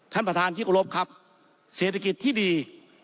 ท่านประธานที่กรบครับเศรษฐกิจที่ดี